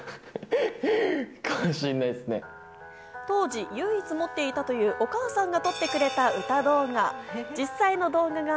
当時、唯一持っていたという、お母さんが撮ってくれた歌動画。